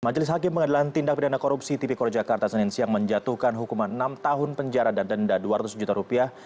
majelis hakim pengadilan tindak pidana korupsi tipikor jakarta senin siang menjatuhkan hukuman enam tahun penjara dan denda dua ratus juta rupiah